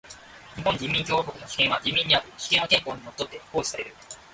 日本人民共和国の主権は人民にある。主権は憲法に則って行使される。